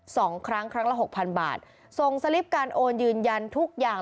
สองครั้งครั้งละหกพันบาทส่งสลิปการโอนยืนยันทุกอย่าง